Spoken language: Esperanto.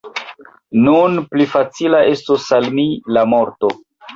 Nun pli facila estos al mi la morto!